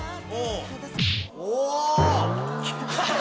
お！